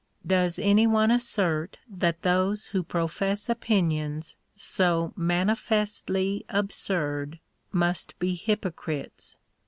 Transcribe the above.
Does any one assert that those who profess opinions so manifestly absurd must be hypocrites